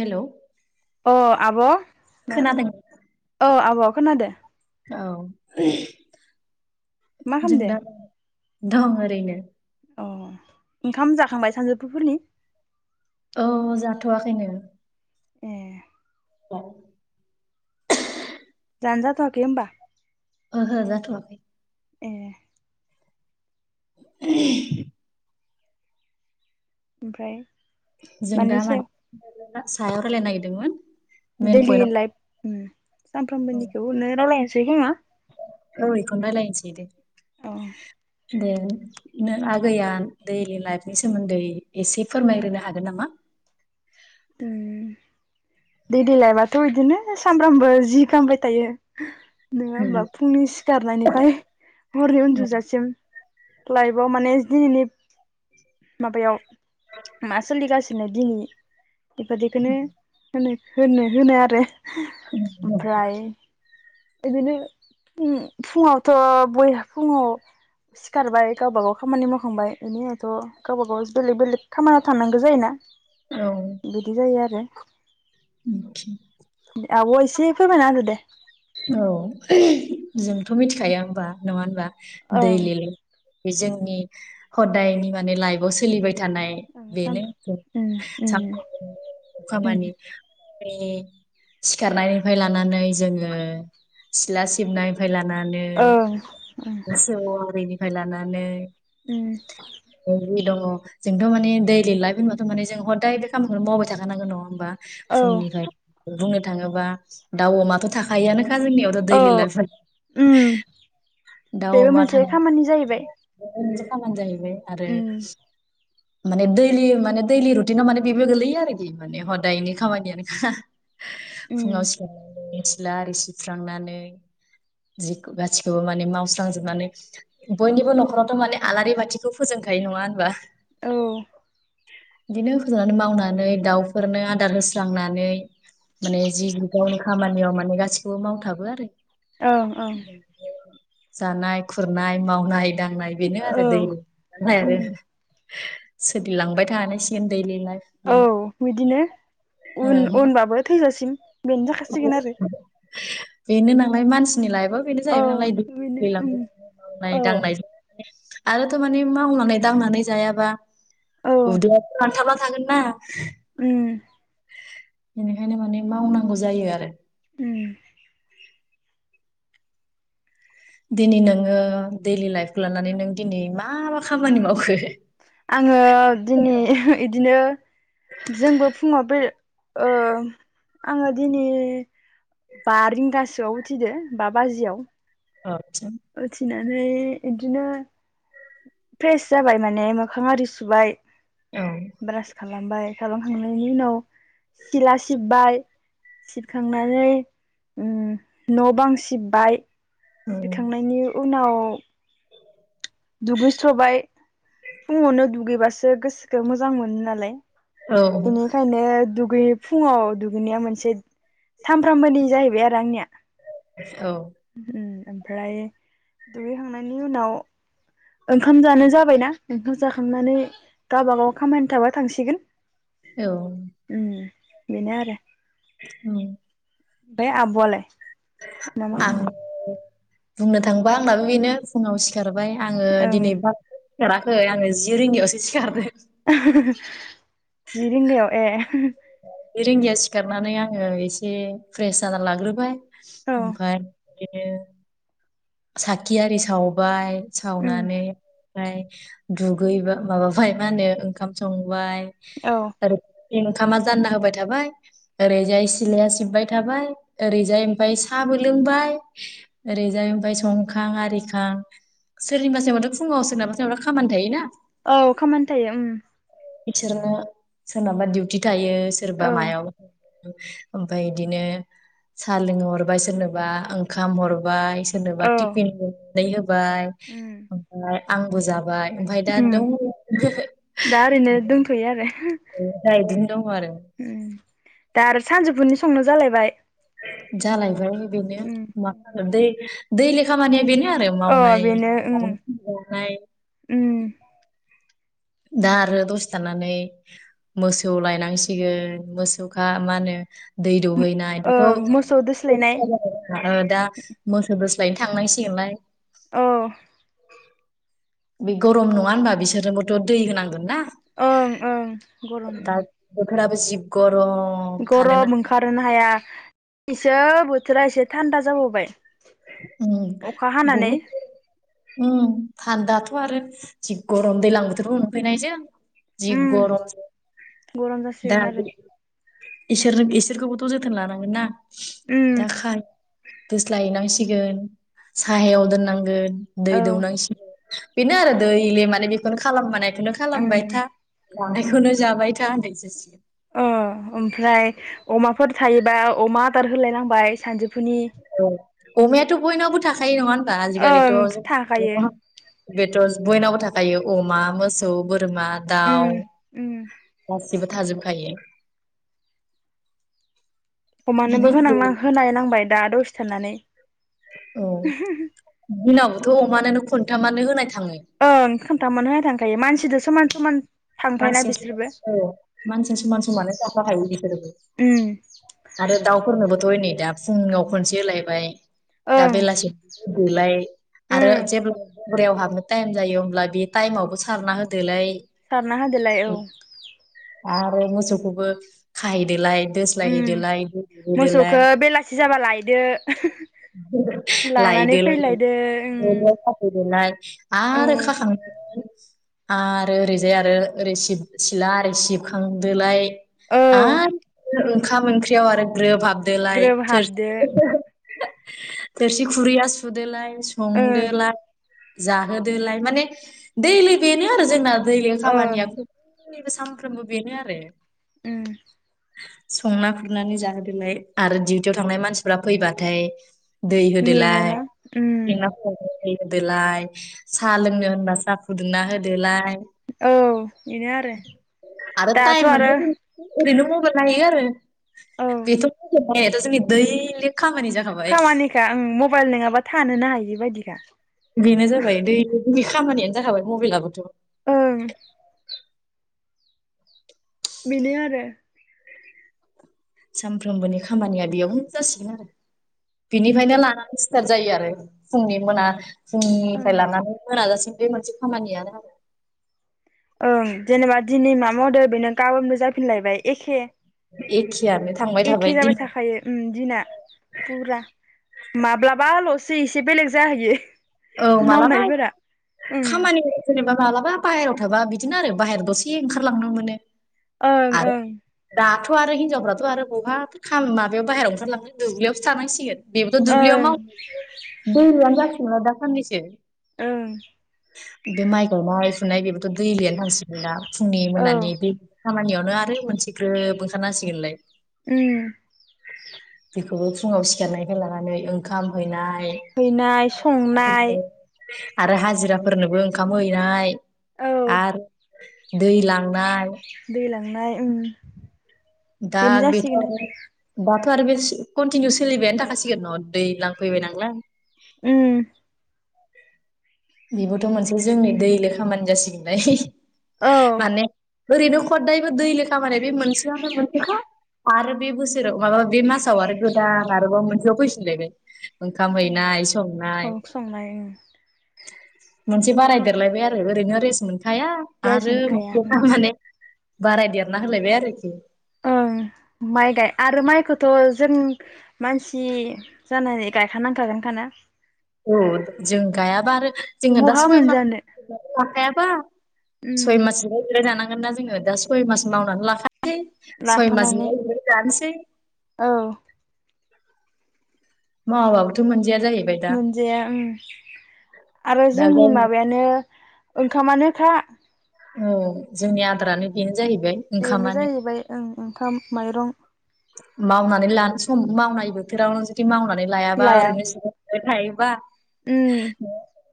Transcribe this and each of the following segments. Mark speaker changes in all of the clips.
Speaker 1: हेल'
Speaker 2: अ आब' नो औ आब' खोनादो
Speaker 1: औ
Speaker 2: मा
Speaker 1: जों
Speaker 2: खामदो
Speaker 1: दा दं ओरैनो
Speaker 2: अ ओंखाम जाखांबाय सानजौफुफोरनि
Speaker 1: औ जाथ'वाखैनो
Speaker 2: ए
Speaker 1: दा
Speaker 2: जानो जाथवाखै होमबा
Speaker 1: ओहो जाथ'आखै
Speaker 2: ए
Speaker 1: [inaudible]
Speaker 2: ओमफ्राय
Speaker 1: जों
Speaker 2: मानि
Speaker 1: दा
Speaker 2: सायाव
Speaker 1: मानि सायाव रायलायनो नागिरदोंमोन मेन
Speaker 2: दैलि
Speaker 1: पइन्टआव
Speaker 2: लाइफ सानफ्रामबोनिखौनो रायलायनो सै खोमा?
Speaker 1: औ इखौनो रायज्लायनोसै
Speaker 2: औ
Speaker 1: दे दे नों आगैया दैलि लाइफनि सोमोन्दै एसे फोरमायग्रोनो हागोन नामा
Speaker 2: दे दैलि लाइफबाथ' बिदिनो सामबफ्रामबो जि खालामबाय थायो नोङा होमबा फुंनि सिखारनायनिफ्राय हरनि
Speaker 1: औ
Speaker 2: उन्दुजासिम लाइफआव माने दिनैनि माबायाव मा सोलिगासिनो दिनै बेबादिखौनो होनो होनो होनो आरो ओमफ्राय बिदिनो फुङावथ' बयहा फुङाव सिखारबाय गावबागाव खामानि मावखांबाय बेनि उावथ' गावबा गाव बेलेग बेलेग खामानियाव थांनांगौ जायोना
Speaker 1: औ
Speaker 2: बिदि जायो आरो आब'आ एसे फोरमायना होदो दे
Speaker 1: औ जोंथ' मिथिखाया होनबा नङा होनबा
Speaker 2: ओं
Speaker 1: दैलि लाइफ बेजों नि हदायनि माने लाइफ सोलिबाय थानाय
Speaker 2: ओं सान
Speaker 1: बेनो
Speaker 2: उम उम
Speaker 1: [unintelligible]
Speaker 2: उम
Speaker 1: खामानि सिखारनायनिफ्राय लानानै जोङो सिला सिबनायफ्राय नानै
Speaker 2: ओं उम
Speaker 1: मोसौ आरिनि निफाय लानानै
Speaker 2: उम
Speaker 1: बे दङ जोंथ' माने दैलि लाइफ होनबथ' मानि जों हदाय बे खामानिखौनो मावबाय थाखानांगौ नङा होनबा?
Speaker 2: औ
Speaker 1: फुंनिफ्राय बुंनो थाङोबा दाउ अमाथ' थाखायो आनो दा गाजोंनियावथ'
Speaker 2: औ
Speaker 1: दैलि लाइफ
Speaker 2: उम बेबो मोनसे खामानि जाहैबाय
Speaker 1: बो मोनसे खामानि जायो आरो
Speaker 2: उम
Speaker 1: माने दैलि माने दैलि रुटिनाव माने बेबो गोलैयो आरोखि माने हदायनि खामानियानोखा
Speaker 2: उम
Speaker 1: फुङाव स [unintelligible] माने मावस्रांजोबनानै बयनिबो न'खरावथ' माने आलारि बाथिखौ फोजोंखायो नङा होनबा?
Speaker 2: औ
Speaker 1: बिदिनो होजनानै मावनानै दाउफोरनो आदार होस्रांनानै माने जि ग गा खामानि माने ग गासिबो मावथाबो आरो [inaudible]
Speaker 2: ओं ओं
Speaker 1: जानाय खुरनाय मावनाय दांनाय बेनो
Speaker 2: औ
Speaker 1: आरो दै दांनाय आरो
Speaker 2: उम
Speaker 1: सोलिलांबाय थानसिगोन दैलिाय
Speaker 2: औ बिदिनो उन
Speaker 1: बेनो
Speaker 2: उनबाबो थैजासिम बेनो जाखासिगोन आरो
Speaker 1: बेनो नालाय मानसिनि लाइफ ब बेनो
Speaker 2: औ
Speaker 1: जायबाय नालाय
Speaker 2: बेनो उम औ
Speaker 1: दैलांांनाय दांनाय आरोथ' मानिे मावनानै दांनानै जायाबा उद आान्थ थागोननाा
Speaker 2: उ
Speaker 1: बेनिखायनो माने मावनांगौ जायो आरो
Speaker 2: उ
Speaker 1: दिनै नोङो दैडलि लाइफखौ लानानै नों दिनै मा मा खामानि मावखो
Speaker 2: आङो दिनै बिदिनो जोंबो फुङाव बे आङो दिनै बा रिंगासोआव उथिदो बा बाजियाव
Speaker 1: औ
Speaker 2: अथि ना मानफ्राय बिदिनो फ्रेस जाबाय माने मोखां आरि सुबाय बृ खालामबाय खालामखांनायनि उनाव सिला सिब्बाय सिबखांनानै ओम न' बां सिब्बाय थांनायनि उनाव [inaudible] दुगैस्र'बाय फुङावनो दुगैबासो गोसोखौ मोजां मोनो नालाय
Speaker 1: औ
Speaker 2: बेनिखायनो दुख [unintelligible] दुगैयै फुङाव दुगैनाया मोनसे सामफ्रामबोनि जाहैबाय आरो आंनिया
Speaker 1: औ
Speaker 2: उम ओमफ्राय दुगैखांनायनि उनाव ओंखाम जानो जाबायना ओंखाम जाखांनानै गावबागाव खामानि थाबा थांसिगोन उम
Speaker 1: औ
Speaker 2: बेनो आरो।
Speaker 1: [unintelligible]
Speaker 2: बे आब'आलाय? मा मा
Speaker 1: आं।
Speaker 2: खालामनाय
Speaker 1: बुंनो थांबा आंनाबो बेनो फुङाव सिखार हारबाय आङो
Speaker 2: ओं
Speaker 1: दिनै [unintelligible] [unintelligible] आङो जि रोङियावसो सिखारो।
Speaker 2: [unintelligible] [unintelligible] जि रिंगायाव ए।
Speaker 1: रिंगियाव सिखारनानै आङो इसे फ्रेस जानानै लाग्रोबाय।
Speaker 2: औ
Speaker 1: ओमफाय [unintelligible] [unintelligible] आरि सावबाय
Speaker 2: उम
Speaker 1: सावनानै [unintelligible] दुगैबा माबाबाय मा होनो ओंखाम संबाय
Speaker 2: औ
Speaker 1: आरो इंखामा जानना होबाय थाबाय ओरैजाय सिलाया सिबबाय थाबाय ओरैजाय ओमफाय साबो लोंबाय ओरैजाय ओमफाय संखां आरिखां सोरनिबा [unintelligible] फुङाव सोरनिबा [unintelligible] खामानि थायोना।
Speaker 2: औ खामानि थायो उम।
Speaker 1: इसोरनो सोरनाबा डिउटि था [unintelligible] सोरबा
Speaker 2: औ
Speaker 1: मायाव ओमफाय इदिनो सा लोंहरबाय सोरनोबा ओंखाम हरबाय सोरनोबा
Speaker 2: औ
Speaker 1: [unintelligible]
Speaker 2: उम
Speaker 1: [unintelligible] आं बुजाब
Speaker 2: उम दा ओरैनो दोंथ'यो आरो।
Speaker 1: [unintelligible] दङ आरो।
Speaker 2: उम दा आरो सानजौफुनि संनो जालायबाय।
Speaker 1: जालायबाय। ओरैनो
Speaker 2: उम
Speaker 1: मा होनो दै दै लेखामानिया बेनो। आरो
Speaker 2: अ
Speaker 1: मावनाय
Speaker 2: बेनो उम उम
Speaker 1: [unintelligible] दा आरो दसे थानानै मोसौ लायनांसिगोन मोसौखा मा होनो दै दौहैनाय
Speaker 2: ओं
Speaker 1: दाथ'
Speaker 2: मोसौ दोस्लायनाय
Speaker 1: [unintelligible] दा मोसौ दो लाय थांनांसिगोनलाय
Speaker 2: औ
Speaker 1: बे गरम नङा होनबा बिसोरनोबोथ' दै होनांगोन ना।
Speaker 2: ओं ओं गरम
Speaker 1: दा बोथोराबो जि ग
Speaker 2: गरम ओंखारोनो हाया इसोर बोथोरा एसे थान्दा जाबावबाय।
Speaker 1: उम
Speaker 2: अखा हानानै
Speaker 1: बहुट उम थान्दाथ' आरो जि गरम दैलां बोथोरबो मोनफैनायजों जि
Speaker 2: उम
Speaker 1: गरम
Speaker 2: गरम
Speaker 1: दा
Speaker 2: जासिगोन आरो
Speaker 1: इसोर इसोरखौबोथ' जोथोन लानांगोनना
Speaker 2: उम
Speaker 1: दा खाय दोस्लाय हैनांसि इगोन साहायाव दोननांगोन दै
Speaker 2: औ
Speaker 1: दौनांसिगोन बेनो आरो दै इले माने बेखौनो खालाम माने बेखौनो
Speaker 2: उम
Speaker 1: खालामबाय था जानायखौनो जाबाय था होननायसो जासि
Speaker 2: अ ओमफ्राय अमाफोर थायोबा अमा आदार होलायनांबाय सानजु
Speaker 1: औ अमयाथ' बयनावबो थाखायो नङा होनबा आजिखालिथ'
Speaker 2: ओं थाखायो
Speaker 1: [unintelligible] बेदर बयनावबो थाखायो अमा मोसौ बोर मा दाउ
Speaker 2: उम उम
Speaker 1: अ जेबो थाजोबखायो
Speaker 2: अमानोबो
Speaker 1: बेनो
Speaker 2: होनांनां होनाय नांबाय दा दसे थानानै
Speaker 1: औ उनावथ' अमानानो खनथामानो होनाय थाङो
Speaker 2: ओं खोन्थामानो होनाय थां खायो मानस सिदो समान समान थांफायना
Speaker 1: मानसिजों
Speaker 2: बिसोरबो
Speaker 1: सम औ मानसिजों
Speaker 2: उम
Speaker 1: समान समानो जाफाखायो बेफोरबो
Speaker 2: उम
Speaker 1: आरो दाउफोर फोरनोबोथ' हनै दा फुङाव खनसे होलायबाय दा
Speaker 2: ओं
Speaker 1: बेलासि दलाय आरो
Speaker 2: उम
Speaker 1: जेब्ला बुरियाव हाबनो टाइम जायो होमब्ला बे टाइमावबो सारना होदोलाय
Speaker 2: सारना हो दोलाय औ
Speaker 1: आरो मोसौखौबो खाहैदोलाय
Speaker 2: उम
Speaker 1: दोस्लायहैदोलाय दोहैदोलाय
Speaker 2: मोसौखौ बेलासि जाबा लायदो लानानै
Speaker 1: लायदोलाय
Speaker 2: फैलायदो उम
Speaker 1: खाथैदोलाय आरो
Speaker 2: ओं
Speaker 1: खाखां आरो ओरैजाय आरो ओरै सिब सिला आरि सिबखांदोलाय
Speaker 2: औ
Speaker 1: आरो ओंखाम ओंख्रियाव आरो ग्रोब हाबदोलाय
Speaker 2: ग्रोब हाबदो
Speaker 1: थोरसि खुरैया सुदोलाय
Speaker 2: ओं
Speaker 1: संदोलाय जाहोदोलाय माने दैलि बेनो आरो जोंना दैलिक
Speaker 2: ओं
Speaker 1: खामानिया [unintelligible] सानफ्रोमबो बेनो आरो
Speaker 2: उम
Speaker 1: संना खुरनानै जाहोदोलाय आरो डिउटियाव थांनाय मानसिफ्रा फैबाथाय दै होदोलाय
Speaker 2: मेङोना उम
Speaker 1: [unintelligible] दै होदोलाय साहा लोंनो होनबा साह फुदुंना होदोलाय
Speaker 2: औ बेनो आरो
Speaker 1: आरो
Speaker 2: दाथ'
Speaker 1: टाइम
Speaker 2: आरो
Speaker 1: मोनबा जों ओरैनो मबेल नायो आरो
Speaker 2: औ
Speaker 1: बेथ मावनायाथ' जोंनि दैलि खामानि जाखाबाय
Speaker 2: खामानिखा आं मबाइल नङाबा थानोनो हायि बेबायदिखा
Speaker 1: बेनो जाबाय दै खामानियानो जाखाबाय मबाइलाबोथ'
Speaker 2: ओं बिनो आरो
Speaker 1: सानफ्रोमबोनि खामानिया बेयावनो जासिगोन आरो
Speaker 2: उम
Speaker 1: बिनिफ्रायनो लानानै स्थार जायो आरो फुंनि मोना
Speaker 2: ओं
Speaker 1: फुंनिफ्राय लानानै मोनाजासिम बे मोनसे खामानियानो आरो
Speaker 2: ओं जेनेबा दिनै मा मावदों बेनो गाबोनबो जाफिनलायबाय एखे
Speaker 1: एखेयानो थांबाय
Speaker 2: एखे
Speaker 1: थाबाय दिन
Speaker 2: जाबाय थाखायो उम दिना फुरा माब्लाबा ल'सो एसे एसे बेलेग जाहैयो
Speaker 1: औ मालाबा
Speaker 2: मावनायफोरा ओं
Speaker 1: खामानियाव जेनेबा मालाबा बाहेरायाव थाबा बिदिनो आरो बाहेर दसे ओंखारलांनो मोनो
Speaker 2: ओं ओं
Speaker 1: थ आरो हिनजावफ्राथ' आरो बहा खा माबायाव बायेरायाव ओंखारलांनो दुब्लियावसो थानांसिगोन बेबोथ' दुुबलियाव
Speaker 2: ओं
Speaker 1: माव बोलोआनो जाफिनला दां खानिसै
Speaker 2: ओं
Speaker 1: बे माइ गायनाय फुनाय बेबोथ' दैलियानो थांसिगोन ना फुंनि
Speaker 2: औ
Speaker 1: मोनानि बे खामानियाव ओ आरो मोनसे ग्रोब ओंखारना होसिगोनलाय
Speaker 2: उम
Speaker 1: बेखौबो फुङाव सिखारनायनिफ्राय लानानै ओंखाम हैनाय
Speaker 2: हैनाय सं
Speaker 1: [inaudible] आरो हाजिराफोरनोबो ओंखाम हैनाय
Speaker 2: औ
Speaker 1: आरो दै लांनाय
Speaker 2: थांनाय ओं
Speaker 1: दाग बेथ बाथ आरो बे कन्टिनिउ सोलिबायानो थाखासिगोन न दैलां फैबाय नांलाय
Speaker 2: ओम
Speaker 1: बेबोथ मोनसे जोंनि दैलि खामानि जासिगोनलाय
Speaker 2: औ
Speaker 1: माने ओरैनो खददायबो दैलि खामानिया बे मोनसेआनो मोनसेखा आरो बे बोसोराव माबा बे मासाव आरो गोदान आरोबाव मोनसेआव फैफिनलायबाय ओंखाम
Speaker 2: उम
Speaker 1: हैनाय संनाय
Speaker 2: औ संनाय उम
Speaker 1: मोनसे बारायदेरलायबाय आरो ओरैनो रेस मोनखा खाया
Speaker 2: रेस्ट
Speaker 1: आरो
Speaker 2: मोनखाया उम
Speaker 1: मोनसे माने बाराय देरना होलायबाय आरोखि
Speaker 2: ओं माइ गाय आरो माइखौथ जों मानसि जानानै गायखानांखागोनखाना
Speaker 1: अ जों गायाबा आरो जोङो दा
Speaker 2: बहा
Speaker 1: सय मास
Speaker 2: मोनजानो
Speaker 1: लाखायाबा
Speaker 2: उम
Speaker 1: सय मासलायलाय जानांगौ जो दा सय मास मावनानै लाखा सय माज
Speaker 2: लाफानानै
Speaker 1: जम [inaudible]
Speaker 2: औ
Speaker 1: मा बावथ मोनजाया जाहैबाय दा
Speaker 2: मोनजाया आरो
Speaker 1: दा
Speaker 2: जोंनि
Speaker 1: गावनि
Speaker 2: माबायानो ओंखामानोखा
Speaker 1: औ जोंनि आदारानो बेनो जाहैबाय
Speaker 2: बेनो
Speaker 1: ओंखामानो
Speaker 2: जाहैबाय ओं ओंखाम माइरं
Speaker 1: मावनानै लानो सम मावनाय बोथोरावनो जुदि मावनानै लायाबा ओरैनो खायबा
Speaker 2: ओम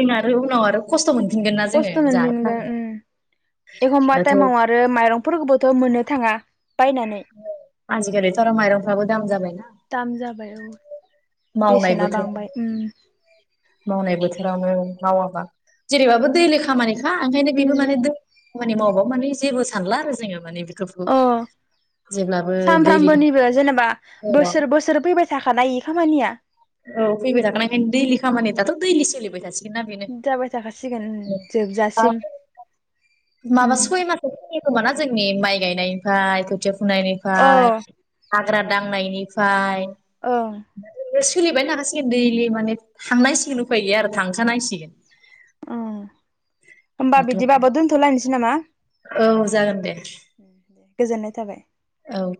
Speaker 1: फिन आरो उनाव आरो खस्त मोनो
Speaker 2: खस्थ मोनफिनगोन एखमबा
Speaker 1: दाथ'
Speaker 2: टाइमाव आरो माइरंफोरखौबोथ मोननो थाङा बायनानै
Speaker 1: आजिखालिथ आरो माइरंफ्राबो दाम जाबायनाा
Speaker 2: दाम जाबाय औ
Speaker 1: मावनाय
Speaker 2: बेसेना
Speaker 1: बोथोर
Speaker 2: बांबाय उम
Speaker 1: मावनाय बोथोरावनो मावाबा जेरैबाबो दैल खामानिखौ हा ओंखायनो बेबो
Speaker 2: दैलि
Speaker 1: माने खामानि मावोबा माने जेबो सानला आरो जोङो माने बेखौ
Speaker 2: अ
Speaker 1: [unintelligible]
Speaker 2: सानफ्रामबोनिबो जेनेबा
Speaker 1: औ
Speaker 2: बोसोर बोसोर फैबाय थाखानाय खामानि गैया
Speaker 1: औ फैबाय थाखानायखायनो दैलि खामानि दाथ' दैलि सोलिबाय थासिगोन ना
Speaker 2: जाबाय थाखासिगोन
Speaker 1: बेनो
Speaker 2: जोबजासिम
Speaker 1: माबा सय माससो फैयो ना जोंनि माइ गायनायनिफ्राय खोथाया फु
Speaker 2: अ
Speaker 1: फुनायनिफ्राय हाग्रा दांनायनिफ्राय
Speaker 2: औ
Speaker 1: सोलिबाय थाखासिगोन दैलि माने थांनांसिगोन उफाय गैया आरो थांखानांसिगोन
Speaker 2: औ होमबा
Speaker 1: दाथ'
Speaker 2: बिदिबाबो दोनथ'लायनोसै नामा
Speaker 1: औ जागोन
Speaker 2: दे गोजोननाय थाबाय
Speaker 1: औ